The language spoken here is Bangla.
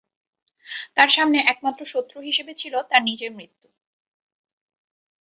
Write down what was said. তার সামনে একমাত্র শত্রু হিসেবে ছিল তার নিজের মৃত্যু!